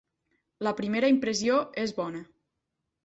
La primera impressió és bona.